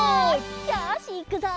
よしいくぞ！